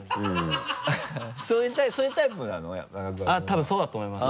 多分そうだと思います。